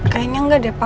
kayaknya enggak deh pak